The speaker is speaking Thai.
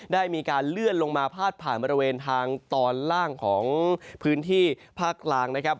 ได้มีการเลื่อนลงมาพาดผ่านบริเวณทางตอนล่างของพื้นที่ภาคกลางนะครับ